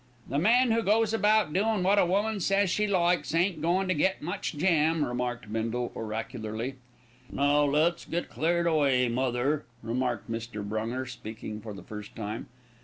"The man who goes about doin' wot a woman says she likes ain't goin' to get much jam," remarked Bindle oracularly. "Now, let's get cleared away, mother," remarked Mr. Brunger, speaking for the first time.